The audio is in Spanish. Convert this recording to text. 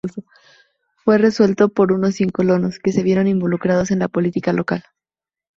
Fue resuelto por unos cien colonos, que se vieron involucrados en la política local.